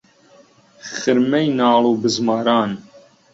خرمەی ناڵ و بزماران